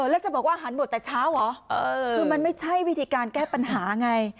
แล้วจะบอกว่าหันบทแต่เช้าเหรอคือมันไม่ใช่วิธีการแก้ปัญหาไง